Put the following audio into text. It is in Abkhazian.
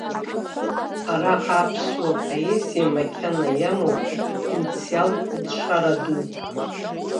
Араҟа аԥсуа поезиа макьана иамоуп апотенциалтә лшара дуқәа.